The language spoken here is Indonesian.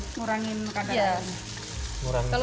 kalau kebanyakan kadar air kan boros nih tepung